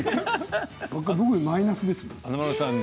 僕はマイナスですよ。